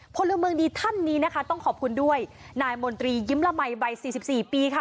พลเมืองดีท่านนี้นะคะต้องขอบคุณด้วยนายมนตรียิ้มละมัยวัยสี่สิบสี่ปีค่ะ